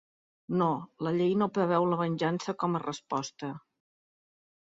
No, la llei no preveu la venjança com a resposta.